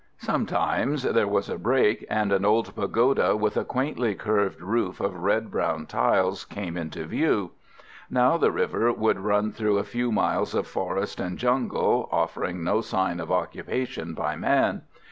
Sometimes there was a break, and an old pagoda, with a quaintly curved roof of red brown tiles, came into view. Now the river would run through a few miles of forest and jungle, offering no sign of occupation by man.